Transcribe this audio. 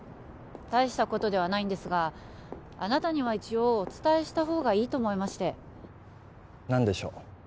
大したことではないんですがあなたには一応お伝えした方がいいと思いまして何でしょう？